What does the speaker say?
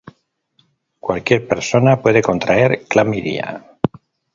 Cualquier persona puede contraer clamidia.